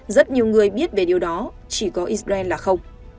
rất nhiều người biết về điều đó chỉ có israel là không